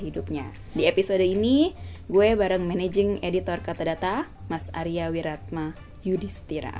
di episode ini gue bareng managing editor katadata mas arya wiratma yudhistira